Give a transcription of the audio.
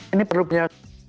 ini perlu punya